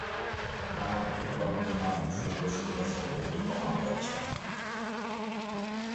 নানামুখী প্রণোদনা ও শুল্ক সুবিধা সত্ত্বেও এটি কমানো যাচ্ছে না।